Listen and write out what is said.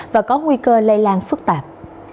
và có nguy cơ lây lan phức tạp